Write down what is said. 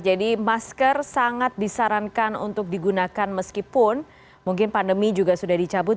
jadi masker sangat disarankan untuk digunakan meskipun mungkin pandemi juga sudah dicabut